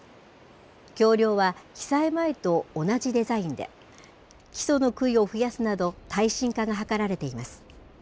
橋りょうは被災前と同じデザインで、基礎のくいを増やすなど、耐震化が図られています。